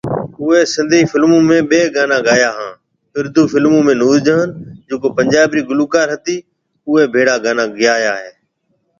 اوئي سنڌي فلمون ۾ بِي گانا گايا هان اردو فلمون ۾ نور جهان جڪو پنجاب ري گلوڪار هتي اوئي ڀيڙا گانا گيا